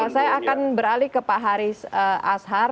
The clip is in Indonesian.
saya akan beralih ke pak haris ashar